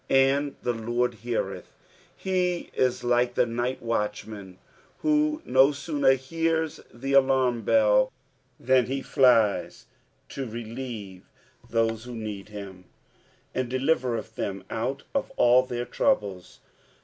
" And tie Lord, beartik;" ne is like the night watchman, who no sooner hears the alarm bell than he flies to relieve those who need hiro. " And dditertth than out of all (A«tr trouble*."